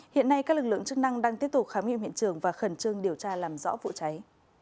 hiện nay các lực lượng chức năng đang tiếp tục khám nghiệm hiện trường và khẩn trương điều tra làm rõ vụ cháy